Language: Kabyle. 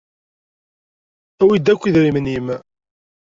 Awi-d akk idrimen-im!